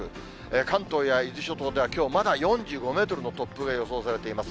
関東や伊豆諸島では、きょうまだ４５メートルの突風が予想されています。